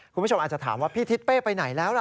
คุณผู้ชมอาจจะถามว่าพี่ทิศเป้ไปไหนแล้วล่ะ